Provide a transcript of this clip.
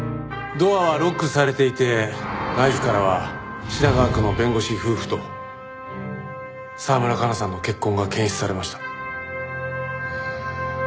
ドアはロックされていてナイフからは品川区の弁護士夫婦と澤村香奈さんの血痕が検出されました。